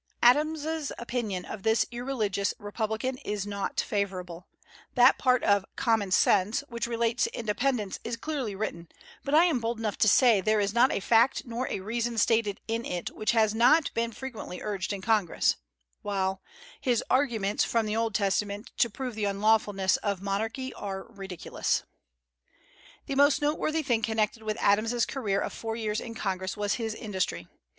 Adams's opinion of this irreligious republican is not favorable: "That part of 'Common Sense' which relates to independence is clearly written, but I am bold enough to say there is not a fact nor a reason stated in it which has not been frequently urged in Congress," while "his arguments from the Old Testament to prove the unlawfulness of monarchy are ridiculous." The most noteworthy thing connected with Adams's career of four years in Congress was his industry.